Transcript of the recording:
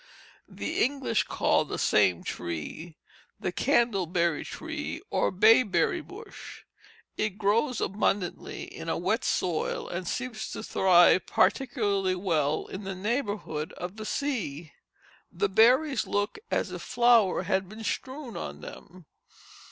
The English call the same tree the candle berry tree or bayberry bush; it grows abundantly in a wet soil, and seems to thrive particularly well in the neighborhood of the sea. The berries look as if flour had been strewed on them.